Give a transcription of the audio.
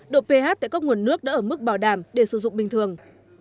độ ph tại các nguồn nước đã ở mức bảo đảm để sử dụng bình thường